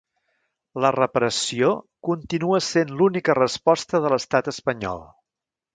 La repressió continua sent l’única resposta de l’estat espanyol.